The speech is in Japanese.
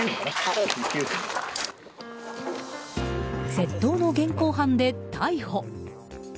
窃盗の現行犯で逮捕。